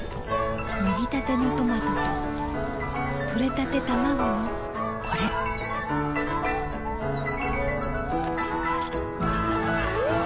もぎたてのトマトととれたてたまごのこれん！